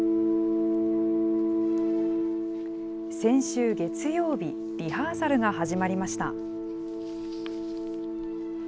先週月曜日、リハーサルが始まりました。